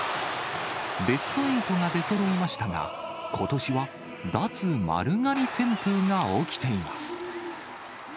ベスト８が出そろいましたが、ことしは脱丸刈り旋風が起きています。